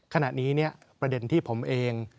ขณะนี้ประเด็นที่ผมเอง